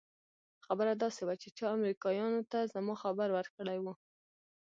خبره داسې وه چې چا امريکايانو ته زما خبر ورکړى و.